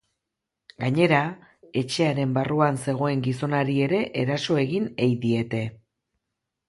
Gainera, etxearen barruan zegoen gizonari ere eraso egin ei diete.